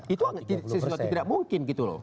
itu sesuatu tidak mungkin gitu loh